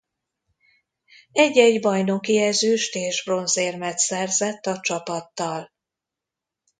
Egy-egy bajnoki ezüst- és bronzérmet szerzett a csapattal.